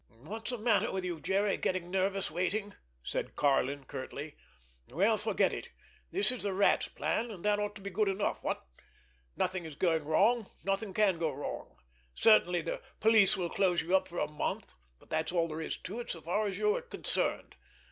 "What's the matter with you, Jerry—getting nervous waiting?" said Karlin curtly. "Well, forget it! This is the Rat's plan—and that ought to be good enough, what? Nothing is going wrong, nothing can go wrong. Certainly, the police will close you up for a month, but that's all there is to it, so far as you are concerned.